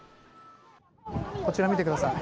こちら、見てください。